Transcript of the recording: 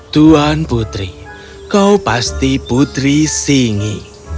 tuan putri kau pasti putri singi